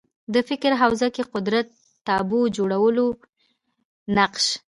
د فکر حوزه کې قدرت تابو جوړولو نقش